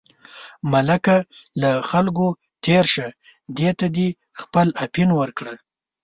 ملکه له خلکو تېر شه، دې ته دې خپل اپین ورکړي.